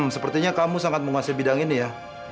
sepertinya kamu sangat menguasai bidang ini ya